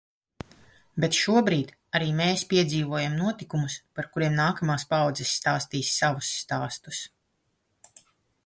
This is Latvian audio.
Bet šobrīd arī mēs piedzīvojam notikumus, par kuriem nākamās paaudze stāstīs savus stāstus.